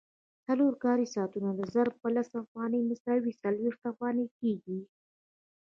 څلور کاري ساعتونه ضرب په لس افغانۍ مساوي څلوېښت افغانۍ کېږي